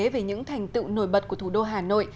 về những thành tựu nổi bật của thủ đô hà nội